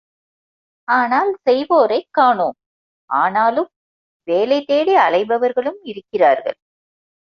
ஆனால் செய்வோரைக் காணோம் ஆனாலும் வேலை தேடி அலைபவர்களும் இருக்கிறார்கள்.